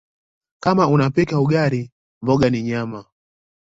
Kama unapika ugali mboga ni nyama